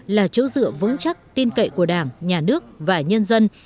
là chỗ dựa vững chắc tin cậy của đảng nhà nước và nhân dân